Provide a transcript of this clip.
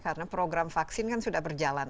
karena program vaksin kan sudah berjalan